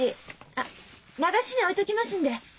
あっ流しに置いときますんで。